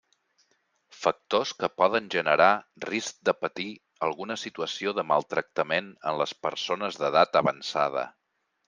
Factors que poden generar risc de patir alguna situació de maltractament en les persones d'edat avançada.